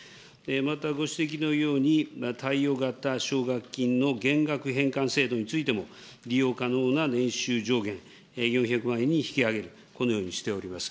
また、ご指摘のように、貸与型奨学金の減額返還制度についても、利用可能な年収上限４００万円に引き上げる、このようにしております。